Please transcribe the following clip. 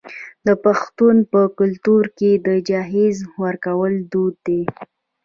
د پښتنو په کلتور کې د جهیز ورکول دود دی.